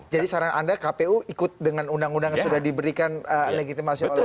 jadi saran anda pkpu ikut dengan undang undang yang sudah diberikan legitimasi oleh mahkamah konstitusi